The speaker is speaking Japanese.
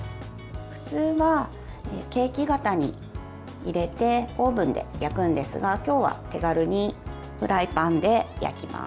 普通はケーキ型に入れてオーブンで焼くんですが今日は手軽にフライパンで焼きます。